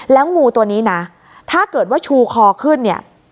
แล้วงูตัวนี้นะถ้าเกิดว่าชูคอขึ้นเนี่ย